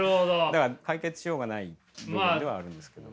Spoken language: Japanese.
だから解決しようがない部分ではあるんですけど。